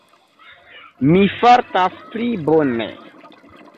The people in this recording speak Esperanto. Mi fartas pli bone.